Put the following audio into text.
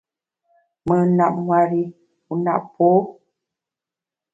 Mùn nap nwer i, wu nap pô.